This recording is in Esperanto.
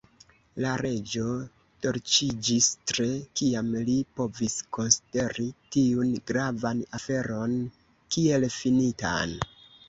La Reĝo dolĉiĝis tre, kiam li povis konsideri tiun gravan aferon kiel finitan.